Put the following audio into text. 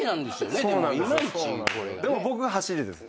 でも僕がはしりです。